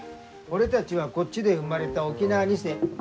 俺たちはこっちで生まれた沖縄二世。